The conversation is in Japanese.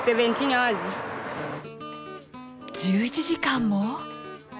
１１時間も？